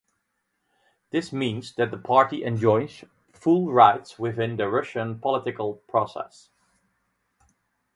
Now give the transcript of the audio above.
This means that the party enjoys full rights within the Russian political process.